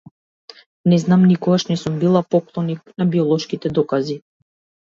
Не знам, никогаш не сум била поклоник на биолошките докази.